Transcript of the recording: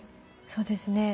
そうですね。